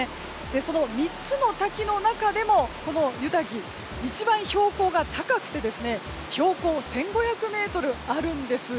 その３つの滝の中でも、この湯滝一番標高が高くて標高１５００ｍあるんです。